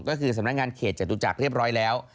ก็คือสำนักงานเขตจตุจักรเรียบร้อยแล้ว